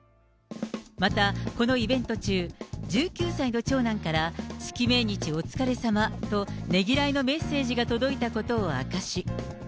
また、このイベント中、１９歳の長男から、月命日お疲れさまと、ねぎらいのメッセージが届いたことを明かし。